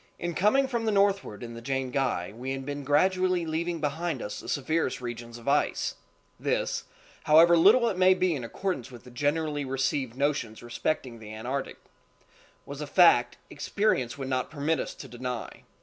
In coming from the northward in the Jane Guy we had been gradually leaving behind us the severest regions of ice—this, however little it maybe in accordance with the generally received notions respecting the Antarctic, was a fact—experience would not permit us to deny.